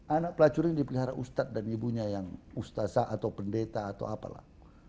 anak pelacur ini dipelihara ustadz dan ibunya yang ustazah atau pendeta atau apalah